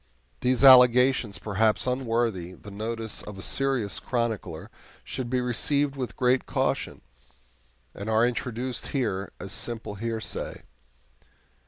These allegations, perhaps unworthy the notice of a serious chronicler, should be received with great caution, and are introduced here as simple hearsay.